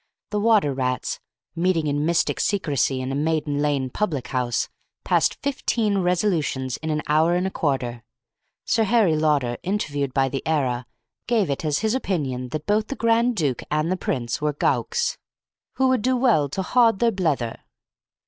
The Water Rats, meeting in mystic secrecy in a Maiden Lane public house, passed fifteen resolutions in an hour and a quarter. Sir Harry Lauder, interviewed by the Era, gave it as his opinion that both the Grand Duke and the Prince were gowks, who would do well to haud their blether.